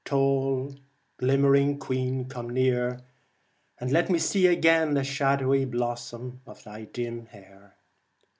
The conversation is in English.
Tall, glimmering queen, come near, and let me see again the shadowy blossom of thy dim hair.